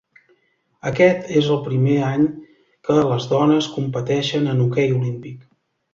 Aquest és el primer any que les dones competeixen en hoquei olímpic.